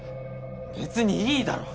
別にいいだろ！